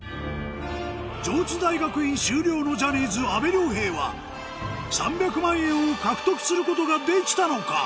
上智大学院修了のジャニーズ阿部亮平は３００万円を獲得することができたのか？